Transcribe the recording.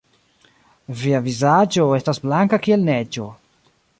Via vizaĝo estas blanka kiel neĝo!